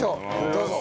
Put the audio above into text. どうぞ。